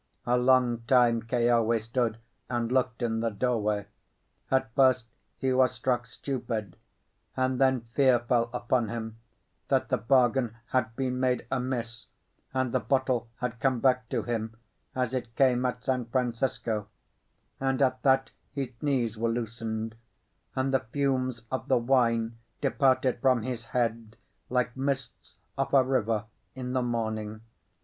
A long time Keawe stood and looked in the doorway. At first he was struck stupid; and then fear fell upon him that the bargain had been made amiss, and the bottle had come back to him as it came at San Francisco; and at that his knees were loosened, and the fumes of the wine departed from his head like mists off a river in the morning.